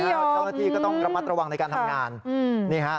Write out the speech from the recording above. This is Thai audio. ทั้งหน้าที่ก็ต้องระมัดระวังในการทำงาน